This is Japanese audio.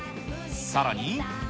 さらに。